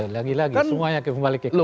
lagi lagi semuanya kembali ke ketua umum